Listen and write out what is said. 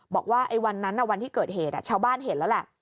บอกว่าวันนั้นวันที่เกิดเหตุชาวบ้านเห็นแล้วแหละ